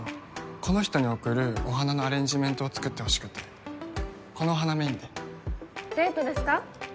この人に贈るお花のアレンジメントを作ってほしくてこの花メインで・デートですか？